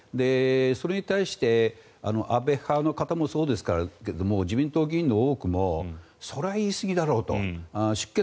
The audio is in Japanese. それに対して安倍派の方もそうですけれど自民党議員の多くもそれは言い過ぎだろうと。